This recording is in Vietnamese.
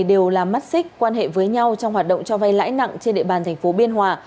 đều là mắt xích quan hệ với nhau trong hoạt động cho vay lãi nặng trên địa bàn thành phố biên hòa